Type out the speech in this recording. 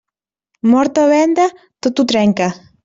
Mort o venda, tot ho trenca.